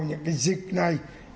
những cái dịch này